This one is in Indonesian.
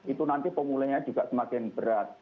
itu nanti pemulainya juga semakin berat